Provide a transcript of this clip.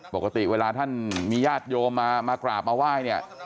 ปกติเวลาท่านมีญาติโยมมากราบมาไหว้เนี่ย